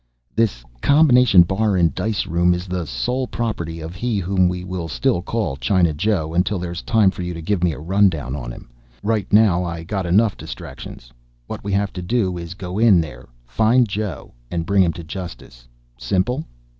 "This combination bar and dice room is the sole property of he whom we will still call China Joe until there is time for you to give me a rundown on him. Right now I got enough distractions. What we have to do is go in there, find Joe and bring him to justice. Simple?"